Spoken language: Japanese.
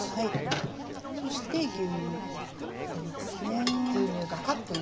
そして牛乳入れますね。